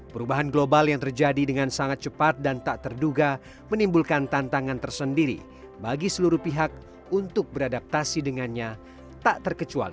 perubahan global yang terjadi dengan sangat cepat dan tak terduga menimbulkan tantangan tersendiri bagi seluruh pihak untuk beradaptasi dengannya tak terkecuali